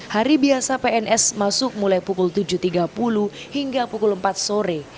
hari biasa pns masuk mulai pukul tujuh tiga puluh hingga pukul empat sore